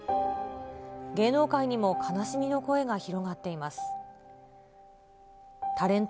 芸能界にも悲しみの声が広がっています。